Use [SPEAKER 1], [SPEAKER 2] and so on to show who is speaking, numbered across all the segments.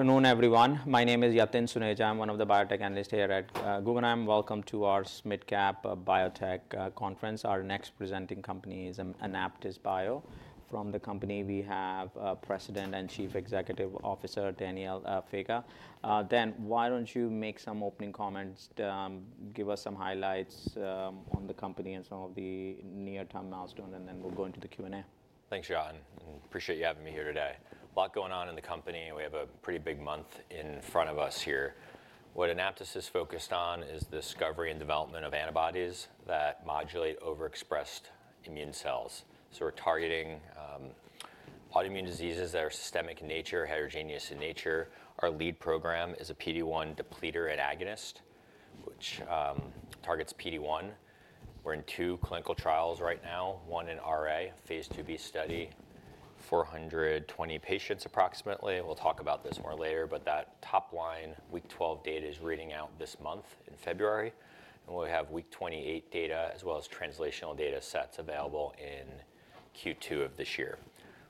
[SPEAKER 1] Afternoon, everyone. My name is Yatin Suneja. I'm one of the biotech analysts here at Guggenheim. Welcome to our SMid Cap Biotech Conference. Our next presenting company is AnaptysBio. From the company, we have President and Chief Executive Officer Daniel Faga. Dan, why don't you make some opening comments, give us some highlights on the company and some of the near-term milestones, and then we'll go into the Q&A.
[SPEAKER 2] Thanks, Yatin, and appreciate you having me here today. A lot going on in the company. We have a pretty big month in front of us here. What Anaptys is focused on is the discovery and development of antibodies that modulate overexpressed immune cells. So we're targeting autoimmune diseases that are systemic in nature, heterogeneous in nature. Our lead program is a PD-1 depleter and agonist, which targets PD-1. We're in two clinical trials right now, one in RA, a phase 2b study, 420 patients approximately. We'll talk about this more later, but that top-line Week 12 data is reading out this month in February, and we'll have Week 28 data as well as translational data sets available in Q2 of this year.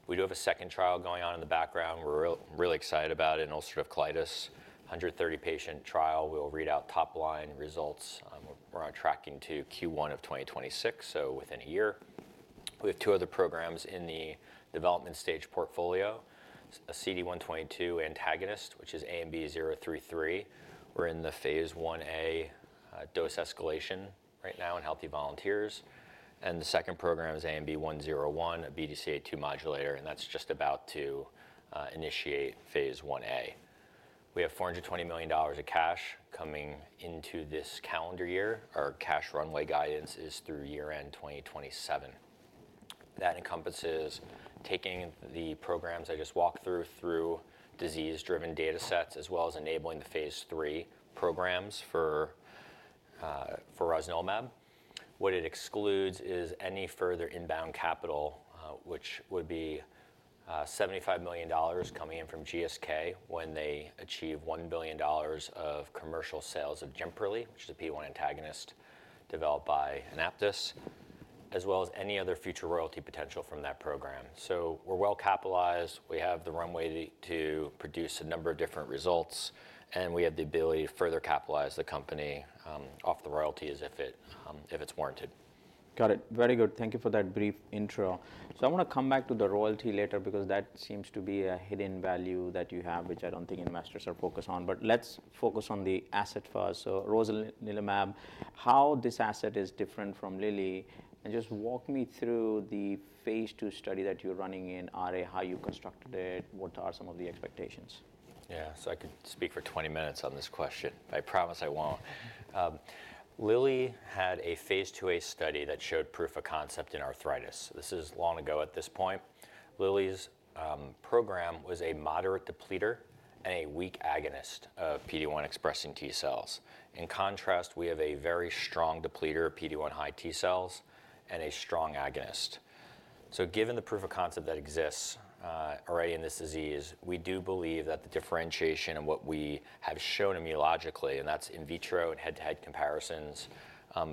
[SPEAKER 2] We do have a second trial going on in the background. We're really excited about it, an ulcerative colitis 130-patient trial. We'll read out top-line results. We're on track to Q1 of 2026, so within a year. We have two other programs in the development stage portfolio, a CD122 antagonist, which is ANB033. We're in the phase I-A dose escalation right now in healthy volunteers, and the second program is ANB101, a BDCA2 modulator, and that's just about to initiate phase I-A. We have $420 million of cash coming into this calendar year. Our cash runway guidance is through year-end 2027. That encompasses taking the programs I just walked through through disease-driven data sets, as well as enabling the phase III programs for rosnilimab. What it excludes is any further inbound capital, which would be $75 million coming in from GSK when they achieve $1 billion of commercial sales of Jemperli, which is a PD-1 antagonist developed by Anaptys, as well as any other future royalty potential from that program, so we're well-capitalized. We have the runway to produce a number of different results, and we have the ability to further capitalize the company off the royalty, as if it's warranted.
[SPEAKER 1] Got it. Very good. Thank you for that brief intro. So I want to come back to the royalty later because that seems to be a hidden value that you have, which I don't think investors are focused on. But let's focus on the asset first. So rosnilimab, how this asset is different from Lilly, and just walk me through the phase II study that you're running in RA, how you constructed it, what are some of the expectations.
[SPEAKER 2] Yeah, so I could speak for 20 minutes on this question. I promise I won't. Lilly had a phase II-A study that showed proof of concept in arthritis. This is long ago at this point. Lilly's program was a moderate depleter and a weak agonist of PD-1 expressing T cells. In contrast, we have a very strong depleter, PD-1 high T cells, and a strong agonist. Given the proof of concept that exists already in this disease, we do believe that the differentiation and what we have shown immunologically, and that's in vitro and head-to-head comparisons,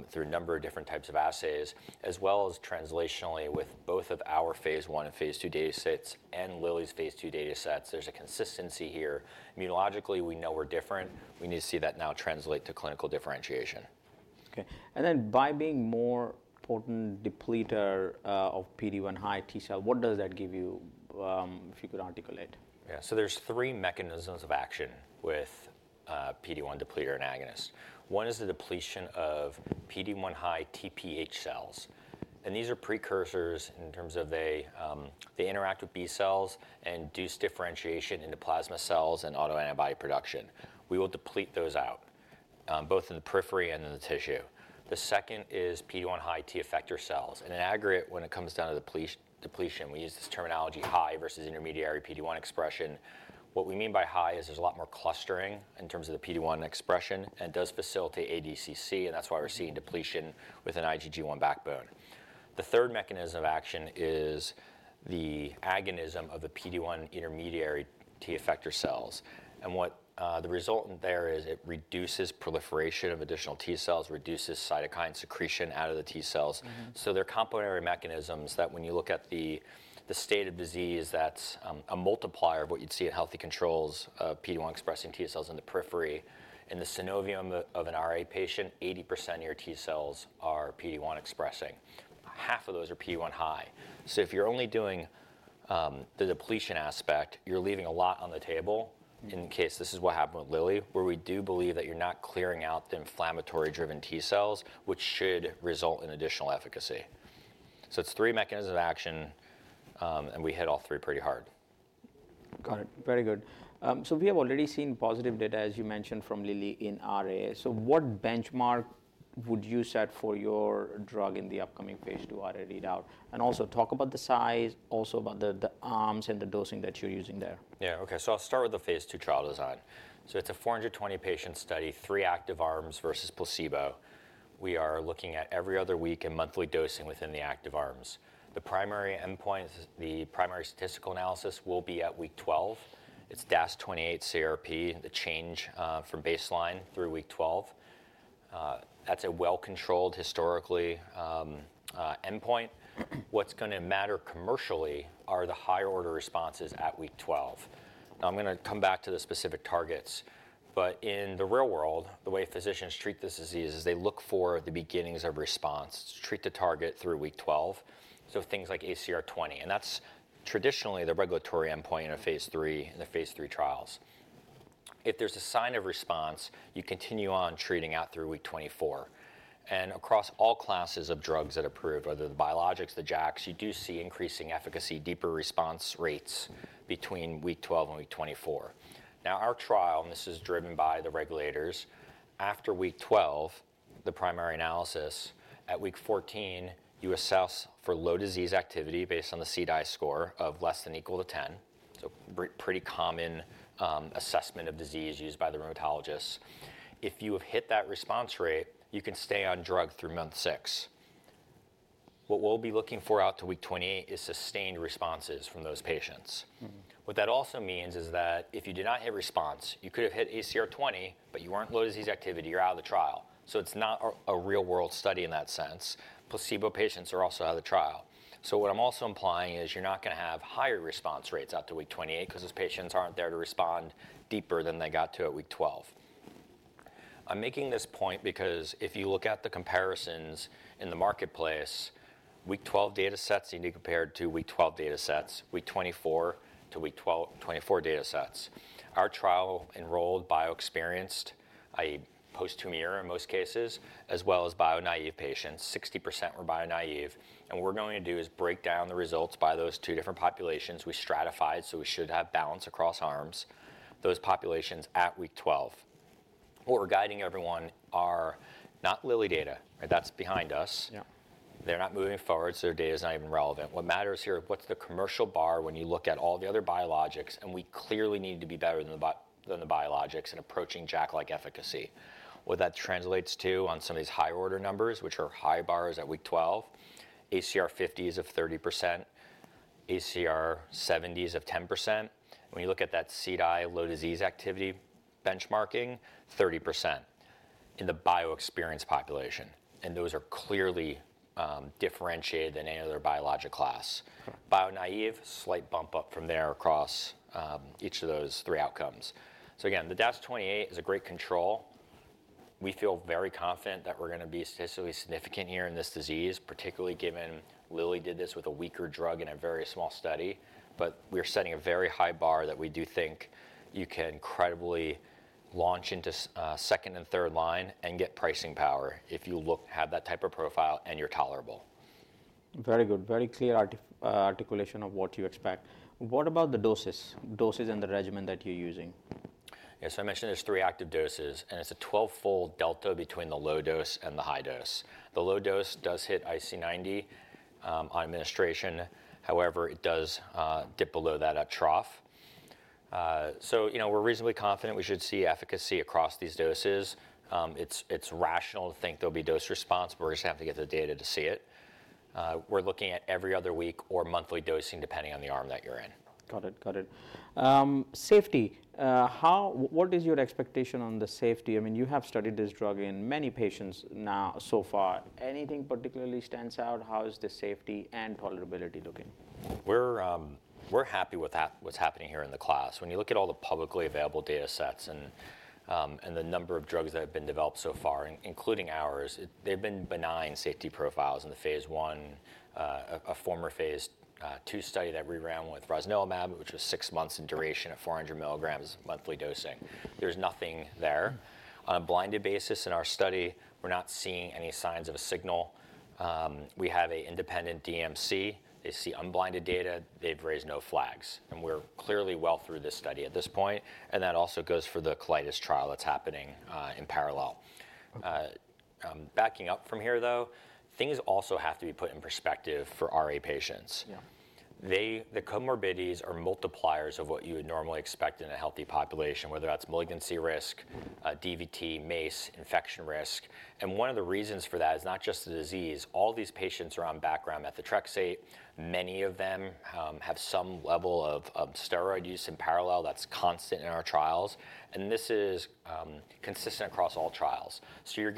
[SPEAKER 2] through a number of different types of assays, as well as translationally with both of our phase I and phase II data sets and Lilly's phase II data sets, there's a consistency here. Immunologically, we know we're different. We need to see that now translate to clinical differentiation.
[SPEAKER 1] Okay. And then by being more potent depleter, of PD-1 high T cell, what does that give you, if you could articulate?
[SPEAKER 2] Yeah, so there's three mechanisms of action with PD-1 depleter and agonist. One is the depletion of PD-1 high TPH cells, and these are precursors in terms of they interact with B cells and induce differentiation into plasma cells and autoantibody production. We will deplete those out, both in the periphery and in the tissue. The second is PD-1 high T effector cells, and in aggregate, when it comes down to depletion, we use this terminology high versus intermediary PD-1 expression. What we mean by high is there's a lot more clustering in terms of the PD-1 expression, and it does facilitate ADCC, and that's why we're seeing depletion with an IgG1 backbone. The third mechanism of action is the agonism of the PD-1 intermediary T effector cells, and what the resultant there is it reduces proliferation of additional T cells, reduces cytokine secretion out of the T cells. There are complementary mechanisms that when you look at the state of disease, that's a multiplier of what you'd see in healthy controls, PD-1 expressing T cells in the periphery. In the synovium of an RA patient, 80% of your T cells are PD-1 expressing. Half of those are PD-1 high. If you're only doing the depletion aspect, you're leaving a lot on the table in case this is what happened with Lilly, where we do believe that you're not clearing out the inflammatory-driven T cells, which should result in additional efficacy. It's three mechanisms of action, and we hit all three pretty hard.
[SPEAKER 1] Got it. Very good. So we have already seen positive data, as you mentioned, from Lilly in RA. So what benchmark would you set for your drug in the upcoming phase II RA readout? And also talk about the size, also about the arms and the dosing that you're using there.
[SPEAKER 2] Yeah, okay. So I'll start with the phase II trial design. So it's a 420-patient study, three active arms versus placebo. We are looking at every other week and monthly dosing within the active arms. The primary endpoint, the primary statistical analysis will be at Week 12. It's DAS28-CRP, the change from baseline through Week 12. That's a well-controlled historical endpoint. What's going to matter commercially are the higher-order responses at Week 12. Now, I'm going to come back to the specific targets. But in the real world, the way physicians treat this disease is they look for the beginnings of response, treat-to-target through Week 12, so things like ACR20. And that's traditionally the regulatory endpoint in a phase III, in the phase III trials. If there's a sign of response, you continue on treating out through Week 24. Across all classes of drugs that are approved, whether the biologics, the JAKs, you do see increasing efficacy, deeper response rates between Week 12 and Week 24. Now, our trial, and this is driven by the regulators, after Week 12, the primary analysis, at Week 14, you assess for low disease activity based on the CDAI score of less than or equal to 10. It's a pretty common assessment of disease used by the rheumatologists. If you have hit that response rate, you can stay on drug through Month 6. What we'll be looking for out to Week 28 is sustained responses from those patients. What that also means is that if you did not hit response, you could have hit ACR20, but you weren't low disease activity, you're out of the trial. It's not a real-world study in that sense. Placebo patients are also out of the trial. So what I'm also implying is you're not going to have higher response rates out to Week 28 because those patients aren't there to respond deeper than they got to at Week 12. I'm making this point because if you look at the comparisons in the marketplace, Week 12 data sets need to be compared to Week 12 data sets, Week 24 to Week 12, 24 data sets. Our trial enrolled bio-experienced, i.e., post-two-year in most cases, as well as bio-naive patients. 60% were bio-naive. And what we're going to do is break down the results by those two different populations. We stratified, so we should have balance across arms, those populations at Week 12. What we're guiding everyone are not Lilly data, right? That's behind us.
[SPEAKER 1] Yeah.
[SPEAKER 2] They're not moving forward, so their data is not even relevant. What matters here is what's the commercial bar when you look at all the other biologics, and we clearly need to be better than the biologics and approaching JAK-like efficacy. What that translates to on some of these higher-order numbers, which are high bars at Week 12, ACR50s of 30%, ACR70s of 10%. When you look at that CDAI low disease activity benchmarking, 30% in the bio-experienced population, and those are clearly differentiated than any other biologic class. Bio-naive, slight bump up from there across each of those three outcomes, so again, the DAS28 is a great control. We feel very confident that we're going to be statistically significant here in this disease, particularly given Lilly did this with a weaker drug in a very small study. But we're setting a very high bar that we do think you can credibly launch into second and third line and get pricing power if you look have that type of profile and you're tolerable.
[SPEAKER 1] Very good. Very clear articulation of what you expect. What about the doses and the regimen that you're using?
[SPEAKER 2] Yeah, so I mentioned there's three active doses, and it's a 12-fold delta between the low dose and the high dose. The low dose does hit IC90 on administration. However, it does dip below that at trough, so you know, we're reasonably confident we should see efficacy across these doses. It's rational to think there'll be dose response, but we're just going to have to get the data to see it. We're looking at every other week or monthly dosing depending on the arm that you're in.
[SPEAKER 1] Got it. Got it. Safety? How? What is your expectation on the safety? I mean, you have studied this drug in many patients now so far. Anything particularly stands out? How is the safety and tolerability looking?
[SPEAKER 2] We're happy with what's happening here in the class. When you look at all the publicly available data sets and the number of drugs that have been developed so far, including ours, they've been benign safety profiles in the phase I and former phase II study that we ran with rosnilimab, which was six months in duration at 400 milligrams monthly dosing. There's nothing there. On a blinded basis in our study, we're not seeing any signs of a signal. We have an independent DMC. They see unblinded data. They've raised no flags, and we're clearly well through this study at this point, and that also goes for the colitis trial that's happening in parallel. Backing up from here, though, things also have to be put in perspective for RA patients.
[SPEAKER 1] Yeah.
[SPEAKER 2] The comorbidities are multipliers of what you would normally expect in a healthy population, whether that's malignancy risk, DVT, MACE, infection risk. And one of the reasons for that is not just the disease. All these patients are on background methotrexate. Many of them have some level of steroid use in parallel that's constant in our trials. And this is consistent across all trials. So you're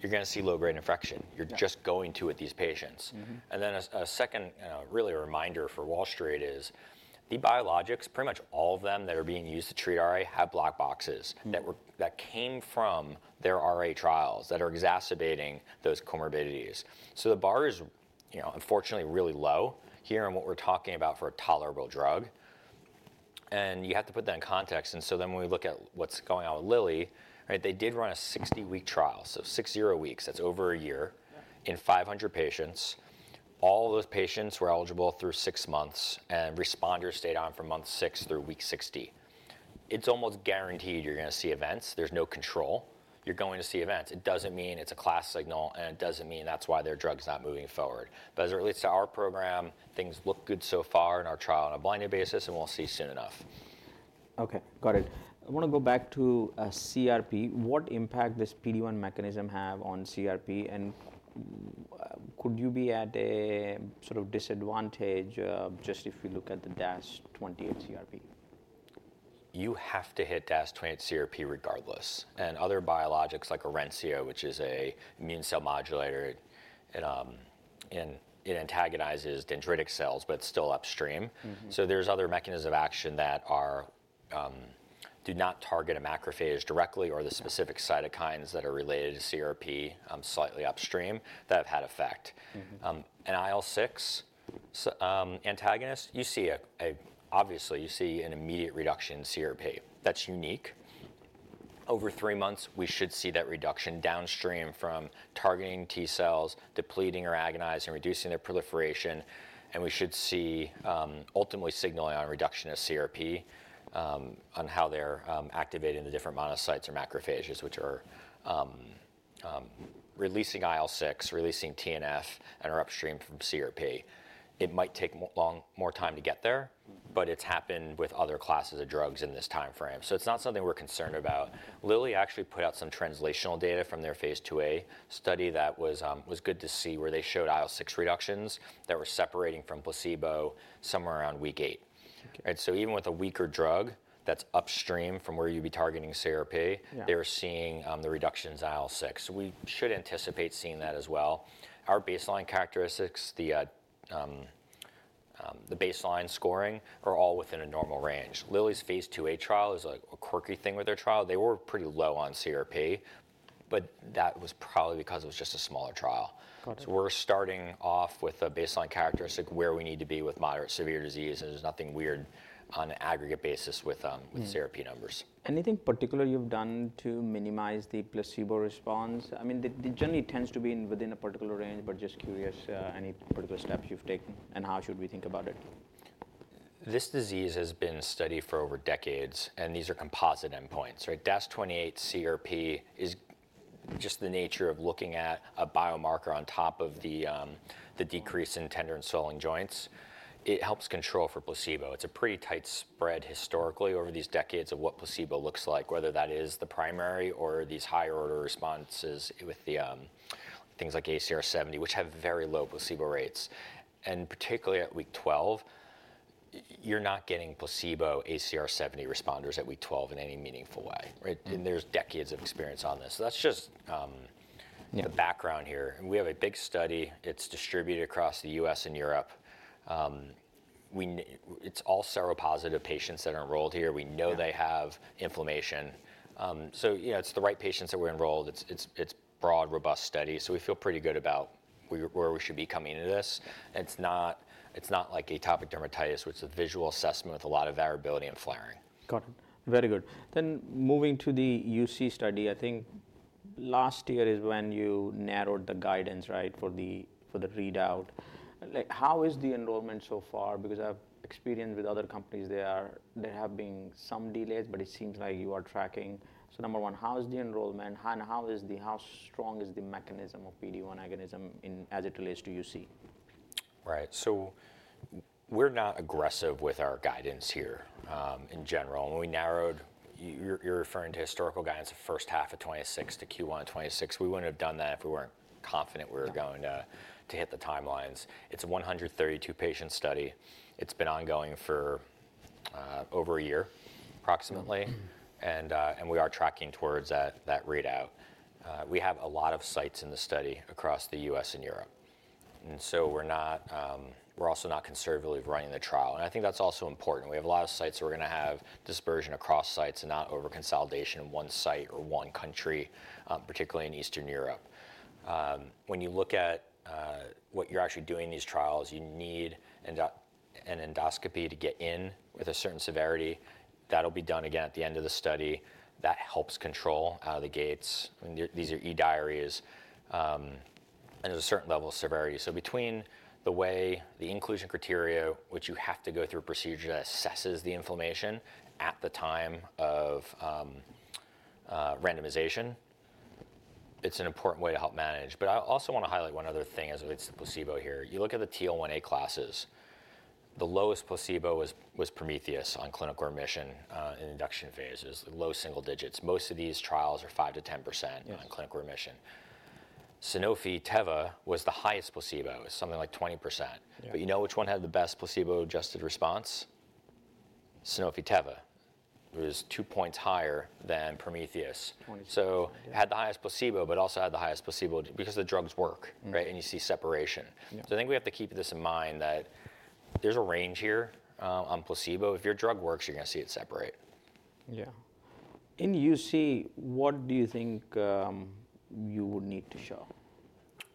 [SPEAKER 2] going to see low-grade infection. You're just going to with these patients. And then a second, you know, really a reminder for Wall Street is the biologics, pretty much all of them that are being used to treat RA have black boxes that came from their RA trials that are exacerbating those comorbidities. So the bar is, you know, unfortunately really low here in what we're talking about for a tolerable drug. And you have to put that in context. And so then when we look at what's going on with Lilly, right, they did run a 60-week trial. So six zero weeks, that's over a year in 500 patients. All of those patients were eligible through six months, and responders stayed on from Month 6 through Week 60. It's almost guaranteed you're going to see events. There's no control. You're going to see events. It doesn't mean it's a class signal, and it doesn't mean that's why their drug's not moving forward. But as it relates to our program, things look good so far in our trial on a blinded basis, and we'll see soon enough.
[SPEAKER 1] Okay. Got it. I want to go back to CRP. What impact does PD-1 mechanism have on CRP? And could you be at a sort of disadvantage, just if we look at the DAS28 CRP?
[SPEAKER 2] You have to hit DAS28-CRP regardless, and other biologics like Orencia, which is an immune cell modulator. It antagonizes dendritic cells, but it's still upstream. So there's other mechanisms of action that do not target a macrophage directly or the specific cytokines that are related to CRP, slightly upstream that have had effect, and IL-6 antagonist. You see an immediate reduction in CRP. That's unique. Over three months, we should see that reduction downstream from targeting T cells, depleting or agonizing, reducing their proliferation, and we should see ultimately signaling on reduction of CRP, on how they're activating the different monocytes or macrophages, which are releasing IL-6, releasing TNF, and are upstream from CRP. It might take long, more time to get there, but it's happened with other classes of drugs in this timeframe, so it's not something we're concerned about. Lilly actually put out some translational data from their phase II-A study that was good to see where they showed IL-6 reductions that were separating from placebo somewhere around Week 8. And so even with a weaker drug that's upstream from where you'd be targeting CRP, they were seeing the reductions in IL-6. So we should anticipate seeing that as well. Our baseline characteristics, the baseline scoring are all within a normal range. Lilly's phase II-A trial is a quirky thing with their trial. They were pretty low on CRP, but that was probably because it was just a smaller trial. So we're starting off with a baseline characteristic where we need to be with moderate severe disease. And there's nothing weird on an aggregate basis with CRP numbers.
[SPEAKER 1] Anything particular you've done to minimize the placebo response? I mean, the journey tends to be within a particular range, but just curious, any particular steps you've taken and how should we think about it?
[SPEAKER 2] This disease has been studied for over decades, and these are composite endpoints, right? DAS28-CRP is just the nature of looking at a biomarker on top of the decrease in tender and swelling joints. It helps control for placebo. It's a pretty tight spread historically over these decades of what placebo looks like, whether that is the primary or these higher-order responses with things like ACR70, which have very low placebo rates. And particularly at Week 12, you're not getting placebo ACR70 responders at Week 12 in any meaningful way, right? And there's decades of experience on this. So that's just the background here. We have a big study. It's distributed across the U.S. and Europe. We know it's all seropositive patients that are enrolled here. We know they have inflammation, so you know, it's the right patients that were enrolled. It's broad, robust study. So we feel pretty good about where we should be coming into this. It's not, it's not like atopic dermatitis, which is a visual assessment with a lot of variability and flaring.
[SPEAKER 1] Got it. Very good. Then moving to the UC study, I think last year is when you narrowed the guidance, right, for the readout. Like, how is the enrollment so far? Because I have experience with other companies there. There have been some delays, but it seems like you are tracking. So number one, how is the enrollment? And how strong is the mechanism of PD-1 mechanism in as it relates to UC?
[SPEAKER 2] Right. So we're not aggressive with our guidance here, in general. And we narrowed, you're referring to historical guidance of first half of 2026 to Q1 of 2026. We wouldn't have done that if we weren't confident we were going to hit the timelines. It's a 132-patient study. It's been ongoing for over a year approximately. And we are tracking towards that readout. We have a lot of sites in the study across the U.S. and Europe. And so we're not, we're also not conservatively running the trial. And I think that's also important. We have a lot of sites. We're going to have dispersion across sites and not over-consolidation in one site or one country, particularly in Eastern Europe. When you look at what you're actually doing in these trials, you need an endoscopy to get in with a certain severity. That'll be done again at the end of the study. That helps control out of the gates. I mean, these are e-diaries. And there's a certain level of severity. So between the way the inclusion criteria, which you have to go through a procedure that assesses the inflammation at the time of randomization, it's an important way to help manage. But I also want to highlight one other thing as it relates to placebo here. You look at the TL1A classes. The lowest placebo was Prometheus on clinical remission in induction phases. Low single digits. Most of these trials are 5%-10% on clinical remission. Sanofi Teva was the highest placebo. It was something like 20%. But you know which one had the best placebo-adjusted response? Sanofi Teva. It was two points higher than Prometheus. So it had the highest placebo, but also had the highest placebo because the drugs work, right? And you see separation. So I think we have to keep this in mind that there's a range here, on placebo. If your drug works, you're going to see it separate.
[SPEAKER 1] Yeah. In UC, what do you think, you would need to show?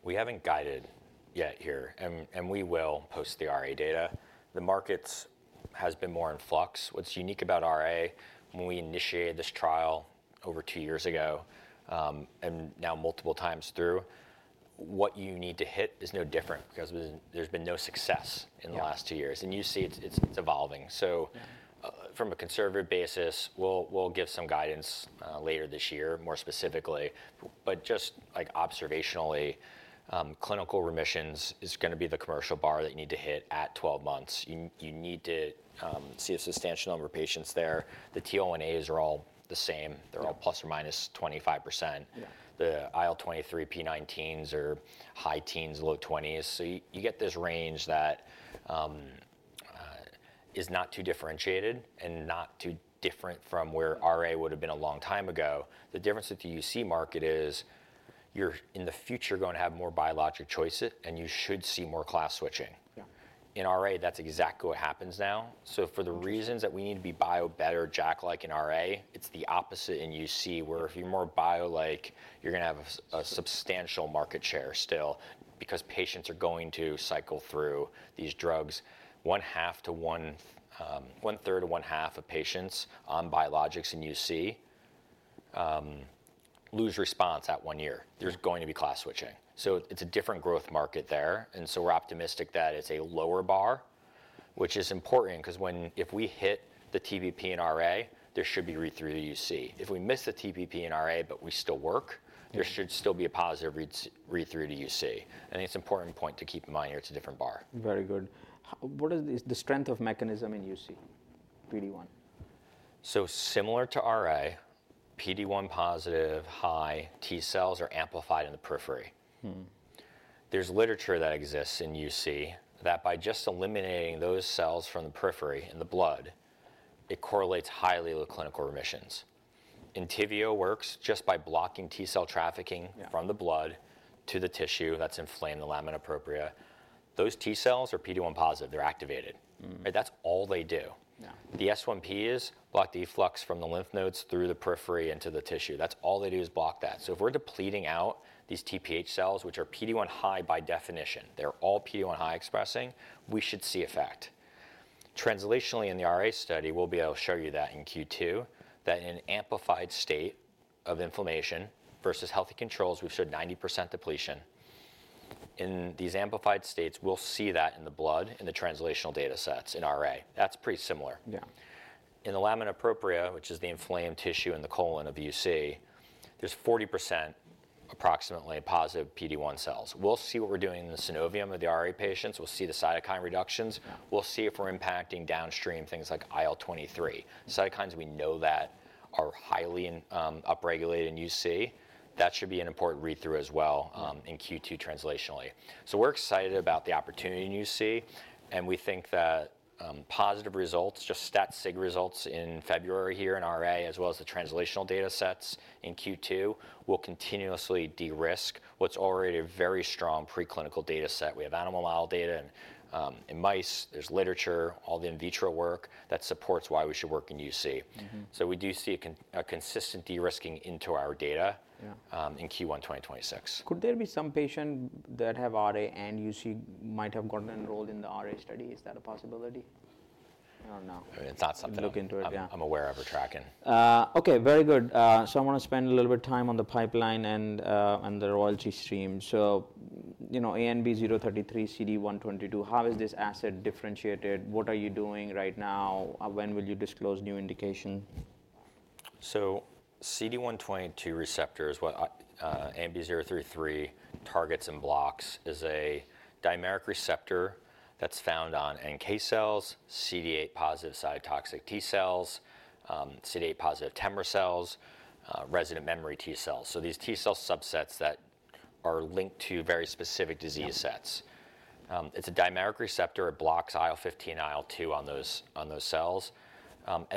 [SPEAKER 2] We haven't guided yet here, and we will post the RA data. The markets have been more in flux. What's unique about RA, when we initiated this trial over two years ago, and now multiple times through, what you need to hit is no different because there's been no success in the last two years, and you see it's evolving, so from a conservative basis, we'll give some guidance, later this year, more specifically, but just like observationally, clinical remissions is going to be the commercial bar that you need to hit at 12 months. You need to see a substantial number of patients there. The TL1As are all the same. They're all plus or minus 25%. The IL-23 P19s are high teens, low 20s. So you get this range that is not too differentiated and not too different from where RA would have been a long time ago. The difference with the UC market is in the future you're going to have more biologic choices, and you should see more class switching. In RA, that's exactly what happens now. So for the reasons that we need to be bio-better, JAK-like in RA, it's the opposite in UC where if you're more bio-like, you're going to have a substantial market share still because patients are going to cycle through these drugs. One half to one, one third to one half of patients on biologics in UC lose response at one year. There's going to be class switching. So it's a different growth market there. And so we're optimistic that it's a lower bar, which is important because when if we hit the TPP in RA, there should be read-through to UC. If we miss the TPP in RA, but we still work, there should still be a positive read-through to UC. I think it's an important point to keep in mind here. It's a different bar.
[SPEAKER 1] Very good. What is the strength of mechanism in UC, PD-1?
[SPEAKER 2] So similar to RA, PD-1 positive high T cells are amplified in the periphery. There's literature that exists in UC that by just eliminating those cells from the periphery in the blood, it correlates highly with clinical remissions. Entyvio works just by blocking T cell trafficking from the blood to the tissue that's inflamed in the lamina propria. Those T cells are PD-1 positive. They're activated. That's all they do. The S1P is block the efflux from the lymph nodes through the periphery into the tissue. That's all they do is block that. So if we're depleting out these TPH cells, which are PD-1 high by definition, they're all PD-1 high expressing, we should see effect. Translationally in the RA study, we'll be able to show you that in Q2, that in an amplified state of inflammation versus healthy controls, we've showed 90% depletion. In these amplified states, we'll see that in the blood in the translational data sets in RA. That's pretty similar. In the lamina propria, which is the inflamed tissue in the colon of UC, there's 40% approximately positive PD-1 cells. We'll see what we're doing in the synovium of the RA patients. We'll see the cytokine reductions. We'll see if we're impacting downstream things like IL-23. Cytokines we know that are highly upregulated in UC. That should be an important read-through as well, in Q2 translationally. So we're excited about the opportunity in UC. And we think that, positive results, just stat sig results in February here in RA, as well as the translational data sets in Q2, will continuously de-risk what's already a very strong preclinical data set. We have animal model data and, in mice, there's literature, all the in vitro work that supports why we should work in UC. So we do see a consistent de-risking into our data, in Q1 2026.
[SPEAKER 1] Could there be some patient that have RA and UC might have gotten enrolled in the RA study? Is that a possibility? Or no?
[SPEAKER 2] I mean, it's not something I'm aware of or tracking.
[SPEAKER 1] Okay. Very good. So I want to spend a little bit of time on the pipeline and the royalty stream. So, you know, ANB033, CD122, how is this asset differentiated? What are you doing right now? When will you disclose new indication?
[SPEAKER 2] CD122 receptor is what ANB033 targets and blocks. It is a dimeric receptor that's found on NK cells, CD8 positive cytotoxic T cells, CD8 positive TEMRA cells, resident memory T cells. These T cell subsets that are linked to very specific disease sets. It is a dimeric receptor. It blocks IL-15 and IL-2 on those, on those cells.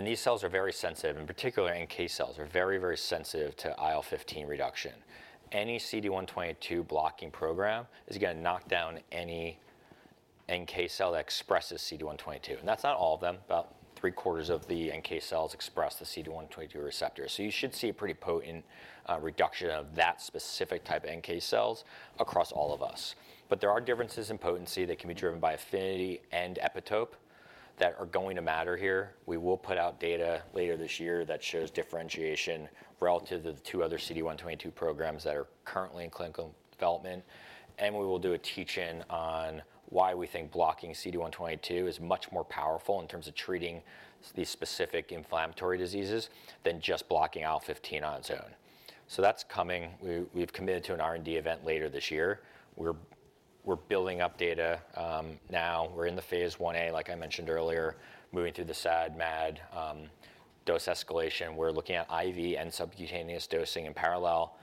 [SPEAKER 2] These cells are very sensitive. In particular, NK cells are very, very sensitive to IL-15 reduction. Any CD122 blocking program is going to knock down any NK cell that expresses CD122. That is not all of them. About three quarters of the NK cells express the CD122 receptor. You should see a pretty potent reduction of that specific type of NK cells across all of us. There are differences in potency that can be driven by affinity and epitope that are going to matter here. We will put out data later this year that shows differentiation relative to the two other CD122 programs that are currently in clinical development, and we will do a teach-in on why we think blocking CD122 is much more powerful in terms of treating these specific inflammatory diseases than just blocking IL-15 on its own, so that's coming. We've committed to an R&D event later this year. We're building up data now. We're in the phase I-A, like I mentioned earlier, moving through the SAD, MAD, dose escalation. We're looking at IV and subcutaneous dosing in parallel,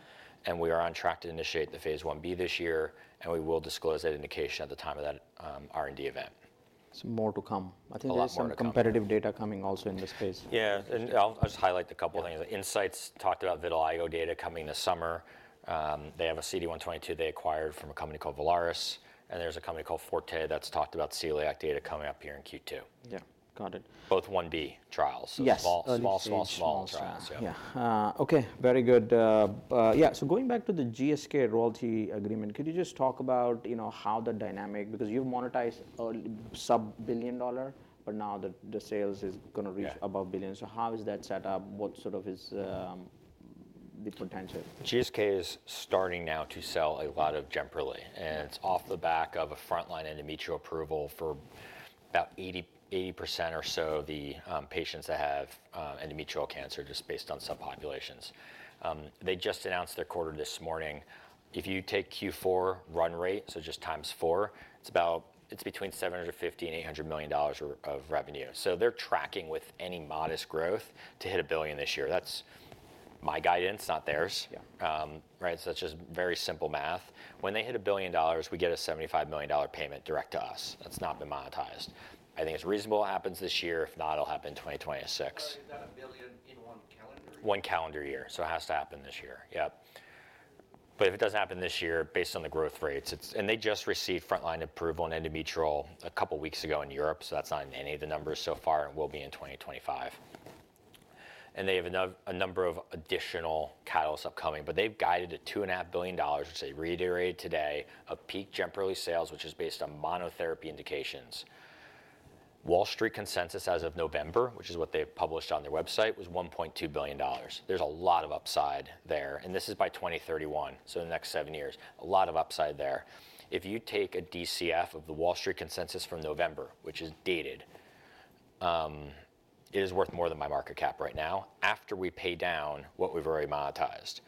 [SPEAKER 2] and we are on track to initiate the phase I-B this year, and we will disclose that indication at the time of that R&D event.
[SPEAKER 1] So more to come. I think there's some competitive data coming also in this space.
[SPEAKER 2] Yeah. And I'll just highlight a couple of things. Incyte talked about vitiligo data coming this summer. They have a CD122 they acquired from a company called Villaris. And there's a company called Forte that's talked about celiac data coming up here in Q2.
[SPEAKER 1] Yeah. Got it.
[SPEAKER 2] Both 1B trials, so small, small, small, small trials.
[SPEAKER 1] So going back to the GSK royalty agreement, could you just talk about, you know, how the dynamic, because you've monetized a sub-billion dollar, but now the sales is going to reach above billion. So how is that set up? What sort of is the potential?
[SPEAKER 2] GSK is starting now to sell a lot of Jemperli, and it's off the back of a frontline endometrial approval for about 80% or so of the patients that have endometrial cancer just based on subpopulations. They just announced their quarter this morning. If you take Q4 run rate, so just times four, it's between $750 million and $800 million of revenue. So they're tracking with any modest growth to hit $1 billion this year. That's my guidance, not theirs. Right. So that's just very simple math. When they hit $1 billion, we get a $75 million payment direct to us. That's not been monetized. I think it's reasonable. It happens this year. If not, it'll happen in 2026. Is that a billion in one calendar year? One calendar year, so it has to happen this year. Yep, but if it doesn't happen this year, based on the growth rates, it's, and they just received frontline approval in endometrial a couple of weeks ago in Europe, so that's not in any of the numbers so far. It will be in 2025, and they have a number of additional catalysts upcoming, but they've guided at $2.5 billion, which they reiterated today, of peak Jemperli sales, which is based on monotherapy indications. Wall Street consensus as of November, which is what they published on their website, was $1.2 billion. There's a lot of upside there, and this is by 2031, so in the next seven years, a lot of upside there. If you take a DCF of the Wall Street consensus from November, which is dated, it is worth more than my market cap right now after we pay down what we've already monetized.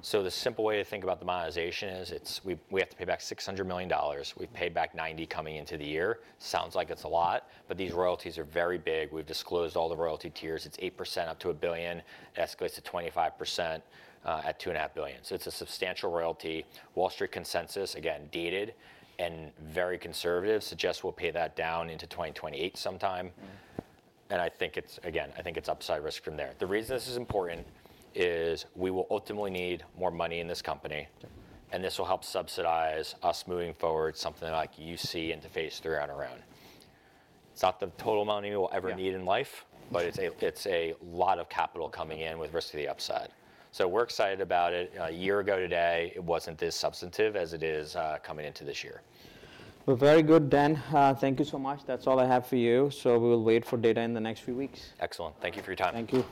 [SPEAKER 2] So the simple way to think about the monetization is it's, we have to pay back $600 million. We've paid back $90 million coming into the year. Sounds like it's a lot, but these royalties are very big. We've disclosed all the royalty tiers. It's 8% up to $1 billion. It escalates to 25% at $2.5 billion. So it's a substantial royalty. Wall Street consensus, again, dated and very conservative, suggests we'll pay that down into 2028 sometime. And I think it's, again, I think it's upside risk from there. The reason this is important is we will ultimately need more money in this company. And this will help subsidize us moving forward, something like UC into phase III on our own. It's not the total money we'll ever need in life, but it's a lot of capital coming in with risk of the upside. So we're excited about it. A year ago today, it wasn't this substantive as it is coming into this year.
[SPEAKER 1] Very good, Dan. Thank you so much. That's all I have for you. We'll wait for data in the next few weeks.
[SPEAKER 2] Excellent. Thank you for your time.
[SPEAKER 1] Thank you.